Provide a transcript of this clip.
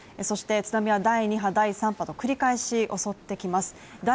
そして津波は第２波第３波と繰り返し襲ってきます。